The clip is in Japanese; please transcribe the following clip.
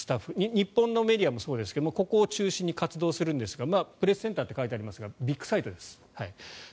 日本のメディアもそうですがここを中心に活動するんですがプレスセンターと書いてありますがビッグサイトです。